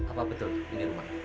apa betul ini rumahnya